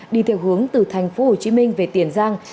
đi theo hướng từ tp hcm về tiền giang